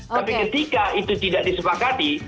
tapi ketika itu tidak disepakati